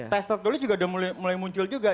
tester tulis juga udah mulai muncul juga